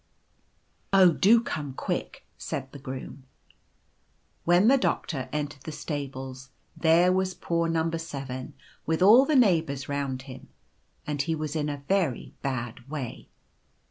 " c Oh, do come quick !' said the Groom. <c When the Doctor entered the stables there was poor No. 7 with all the neighbours round him, and he was in a very bad way.